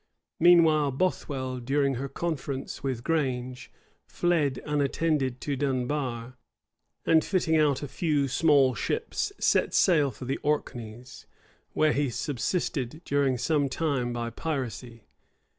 Meanwhile Bothwell, during her conference with Grange, fled unattended to Dunbar; and fitting out a few small ships, set sail for the Orkneys, where he subsisted during some time by piracy.